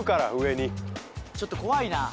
ちょっと怖いなぁ。